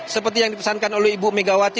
seperti yang dipesankan oleh ibu megawati